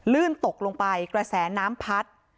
ตกลงไปกระแสน้ำพัด